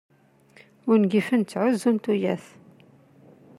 Ungifen ttɛuzzun tuyat.